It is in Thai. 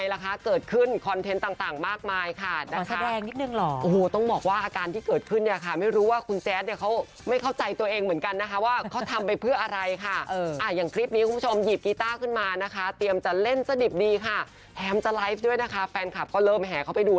เกิดขึ้นคอนเทนต์ต่างมากมายค่ะนักแสดงนิดนึงหรอโอ้โหต้องบอกว่าอาการที่เกิดขึ้นเนี่ยค่ะไม่รู้ว่าคุณแจ๊ดเนี่ยเขาไม่เข้าใจตัวเองเหมือนกันนะคะว่าเขาทำไปเพื่ออะไรค่ะอย่างคลิปนี้คุณผู้ชมหยิบกีต้าขึ้นมานะคะเตรียมจะเล่นสดิบดีค่ะแถมจะไลฟ์ด้วยนะคะแฟนคลับก็เริ่มแห่เข้าไปดู